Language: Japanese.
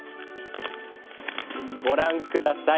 ご覧ください。